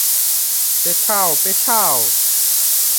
পেছাও, পেছাও!